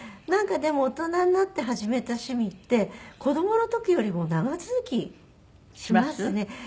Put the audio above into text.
なんかでも大人になって始めた趣味って子どもの時よりも長続きしますね。